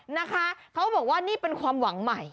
นะคะเขาบอกว่านี่เป็นความหวังใหม่